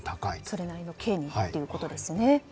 それなりの刑にということですね。